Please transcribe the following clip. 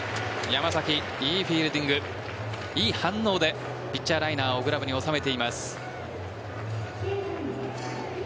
山崎いいフィールディングいい反応でピッチャーライナーをグラブに収めています。